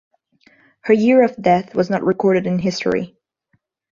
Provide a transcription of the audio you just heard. Her year of death was not recorded in history.